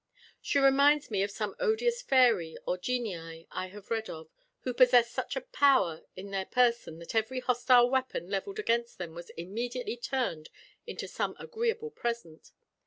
She reminds me of some odious fairy or genii I have read of, who possessed such a power in their person that every hostile weapon levelled against them was immediately turned into some agreeable present.